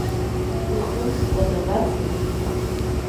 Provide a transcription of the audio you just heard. Дыхнымҳәкәа дабацои.